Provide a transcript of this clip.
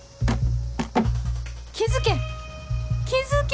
気付け！